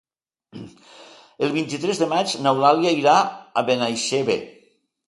El vint-i-tres de maig n'Eulàlia irà a Benaixeve.